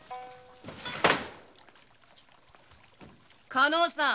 加納さん